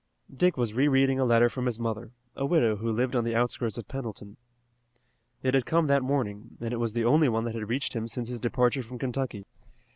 Dick was re reading a letter from his mother, a widow who lived on the outskirts of Pendleton. It had come that morning, and it was the only one that had reached him since his departure from Kentucky.